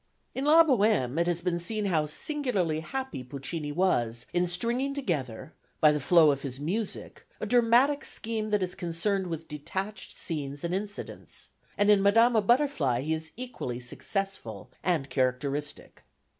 In La Bohème it has been seen how singularly happy Puccini was in stringing together, by the flow of his music, a dramatic scheme that is concerned with detached scenes and incidents; and in Madama Butterfly he is equally successful and characteristic.